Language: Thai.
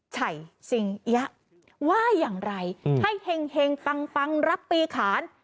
ไฉ่ซิงยะไหว้อย่างไรให้เห็งเห็งปังปังรับปีขาน